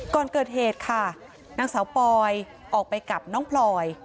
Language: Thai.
ก่อนเกิดเหตุค่ะนางสาวปอยออกไปกับน้องพลอย